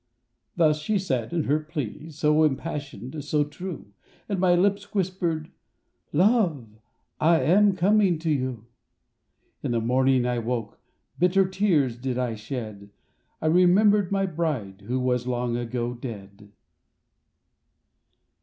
Thus she said in her plea So impassioned, so true, And my lips whispered: "Love, I am coming to you." In the morning I woke, Bitter tears did I shed; I remembered my bride Who was long ago dead.